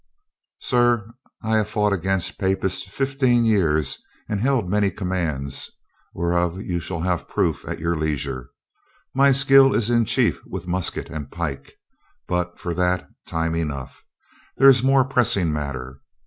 "Sir, I have fought against Papists fifteen years and held many commands, whereof you shall have proof at your leisure. My skill is in chief with musket and pike, but for that, time enough. There 238 COLONEL GREATHEART is more pressing matter.